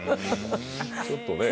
ちょっとね。